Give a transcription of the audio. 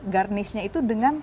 garnish nya itu dengan